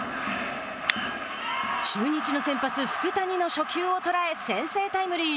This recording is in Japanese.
中日の先発福谷の初球を捉え先制タイムリー。